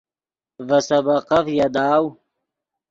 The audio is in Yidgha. ڤے سبقف یاداؤ